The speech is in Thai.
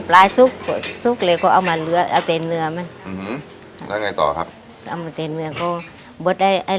แล้วก็หาได้ตามท้องสิ่งแถวนี้